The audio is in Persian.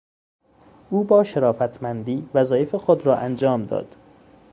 او با شرافتمندی وظایف خود را انجام داد.